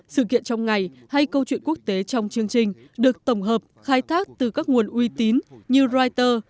sự kiện trong ngày hay câu chuyện quốc tế trong chương trình được tổng hợp khai thác từ các nguồn uy tín như reuters